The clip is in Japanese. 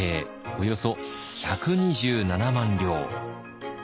およそ１２７万両。